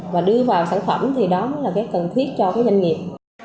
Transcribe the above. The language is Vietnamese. và đưa vào sản phẩm thì đó là cái cần thiết cho cái doanh nghiệp